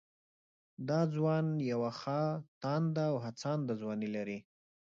دا ځوان يوه ښه تانده او هڅانده ځواني لري